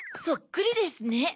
そっくりですね。